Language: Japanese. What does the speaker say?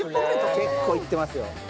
結構いってますよ。